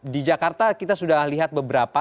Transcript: di jakarta kita sudah lihat beberapa